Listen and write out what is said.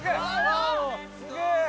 すげえ！